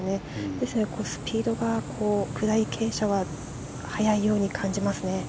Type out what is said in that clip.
ですので、スピードが下り傾斜は速いように感じます。